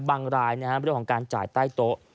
รายเรื่องของการจ่ายใต้โต๊ะ